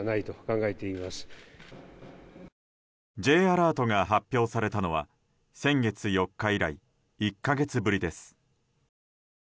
Ｊアラートが発表されたのは先月４日以来、１か月ぶりです。